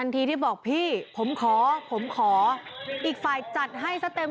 ตายหนึ่ง